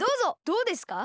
どうですか？